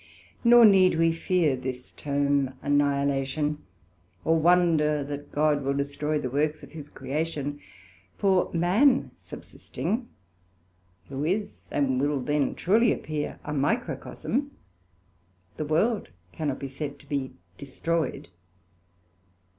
Nor need we fear this term annihilation, or wonder that God will destroy the works of his Creation: for man subsisting, who is, and will then truely appear, a Microcosm, the world cannot be said to be destroyed.